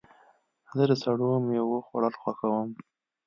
زه د سړو میوو خوړل خوښوم.